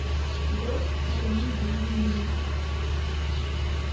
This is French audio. D'autres atomisent des huiles minérales.